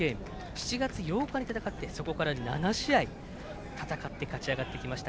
７月８日に戦ってそこから７試合戦って勝ち上がってきました。